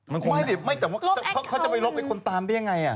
ไม่จำว่าเขาจะไปลบไปค้นตามได้ยังไงอะ